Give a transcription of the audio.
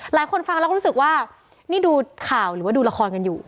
หลายคนฟังแล้วก็รู้สึกว่านี่ดูข่าวหรือว่าดูละครกันอยู่